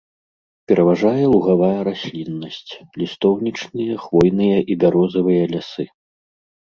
Пераважае лугавая расліннасць, лістоўнічныя, хвойныя і бярозавыя лясы.